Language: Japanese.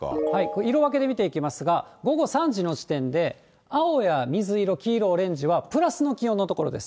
色分けで見ていきますが、午後３時の時点で、青や水色、黄色、オレンジはプラスの気温の所です。